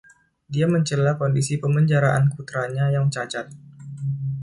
Dia mencela kondisi pemenjaraan putranya, yang cacat.